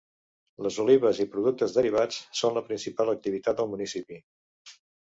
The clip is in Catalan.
Les olives i productes derivats són la principal activitat del municipi.